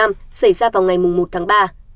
xảy ra vào ngày một tháng ba